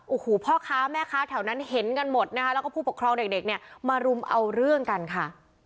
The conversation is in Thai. โอ้โหพ่อค้าแม่ค้าแถวนั้นเห็นกันหมดนะคะแล้วก็ผู้ปกครองเด็กเนี่ยมารุมเอาเรื่องกันค่ะ